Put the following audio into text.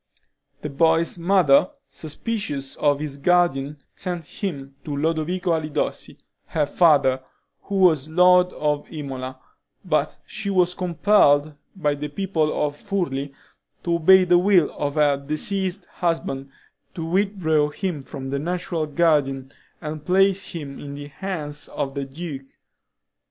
The boy's mother, suspicious of his guardian, sent him to Lodovico Alidossi, her father, who was lord of Imola, but she was compelled by the people of Furli to obey the will of her deceased husband, to withdraw him from the natural guardian, and place him in the hands of the duke.